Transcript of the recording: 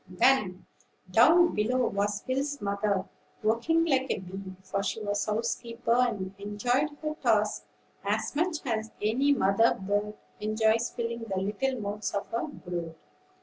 Then, down below was Will's mother, working like a bee; for she was housekeeper, and enjoyed her tasks as much as any mother bird enjoys filling the little mouths of her brood.